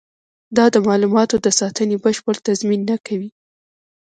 دا د معلوماتو د ساتنې بشپړ تضمین نه کوي.